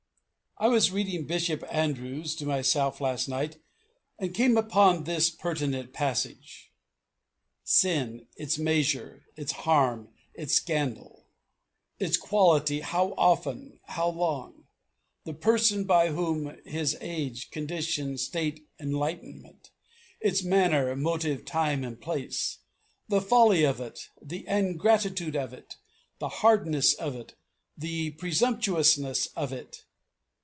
I was reading Bishop Andrewes to myself last night and came upon this pertinent passage. "Sin: its measure, its harm, its scandal. Its quality: how often how long. The person by whom: his age, condition, state, enlightenment. Its manner, motive, time, and place. The folly of it, the ingratitude of it, the hardness of it, the presumptuousness of it.